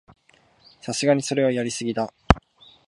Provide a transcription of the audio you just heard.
さすがにそれはやりすぎだ